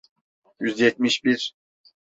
Yüz yetmiş bir.